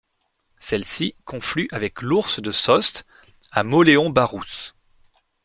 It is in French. Celle-ci conflue avec l'Ourse de Sost à Mauléon-Barousse.